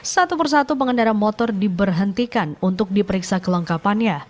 satu persatu pengendara motor diberhentikan untuk diperiksa kelengkapannya